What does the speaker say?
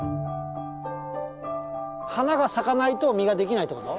花が咲かないと実ができないってこと？